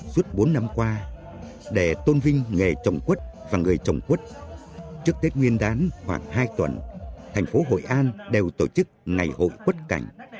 suốt bốn năm qua để tôn vinh nghề trồng quất và người trồng quất trước tết nguyên đán khoảng hai tuần thành phố hội an đều tổ chức ngày hội quất cảnh